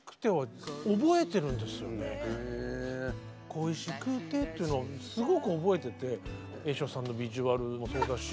「恋しくて」というのはすごく覚えてて栄昇さんのビジュアルもそうだし